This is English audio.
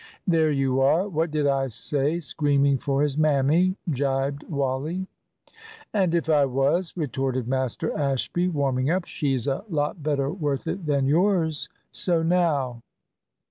"There you are; what did I say! Screaming for his mammy," gibed Wally. "And if I was," retorted Master Ashby, warming up, "she's a lot better worth it than yours, so now!"